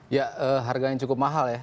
ya harganya cukup mahal ya